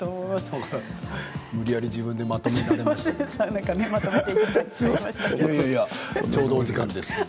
無理やり自分でまとめられましたけれどもね。